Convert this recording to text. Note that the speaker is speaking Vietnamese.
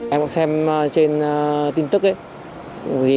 em cũng xem trên tin tức ấy